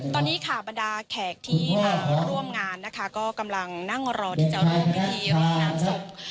ตอนนี้ค่ะบรรดาแขกที่มาร่วมงานนะคะก็กำลังนั่งรอที่จะร่วมพิธีรดน้ำศพ